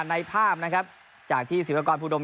ในภาพนะครับจากที่ศิวากรภูดม